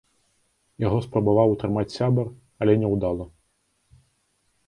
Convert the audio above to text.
Яго спрабаваў утрымаць сябар, але няўдала.